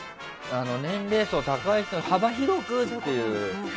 年齢層高い人も幅広くという。